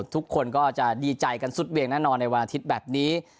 ทุกคนก็จะดีใจกันสุดเวียงแน่นอนในวันอาทิตย์แบบนี้